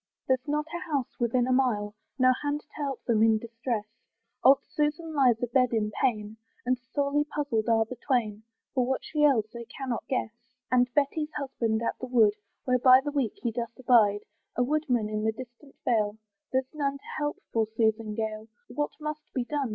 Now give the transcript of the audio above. There's not a house within a mile. No hand to help them in distress: Old Susan lies a bed in pain, And sorely puzzled are the twain, For what she ails they cannot guess. And Betty's husband's at the wood, Where by the week he doth abide, A woodman in the distant vale; There's none to help poor Susan Gale, What must be done?